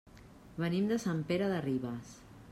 Venim de Sant Pere de Ribes.